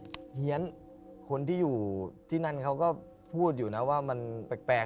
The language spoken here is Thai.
เฮียนคนที่อยู่ที่นั่นเขาก็พูดอยู่นะว่ามันแปลก